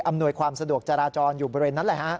อำนวยความสะดวกจราจรอยู่บริเวณนั้น